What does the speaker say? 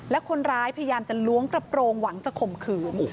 และคนร้ายพยายามจะล้วงกระโปรงหวังจะข่มขืน